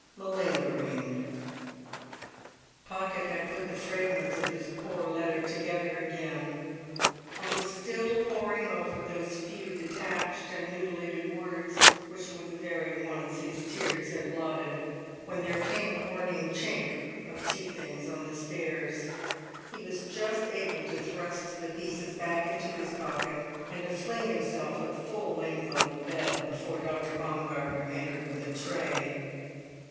MALINGERING Pocket had put the fragments of his poor letter together again, and was still poring over those few detached and mutilated words, which were the very ones his tears had blotted, when there came a warning chink of tea things on the stairs. He was just able to thrust the pieces back into his pocket, and to fling himself at full length on the bed, before Dr. Baumgartner entered with a tray.